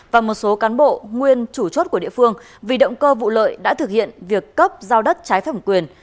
và một số cán bộ nguyên chủ chốt của địa phương vì động cơ vụ lợi đã thực hiện việc cấp giao đất trái thẩm quyền